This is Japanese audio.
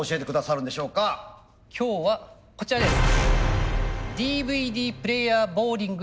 今日はこちらです。